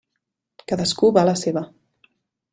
Cadascú va a la seva.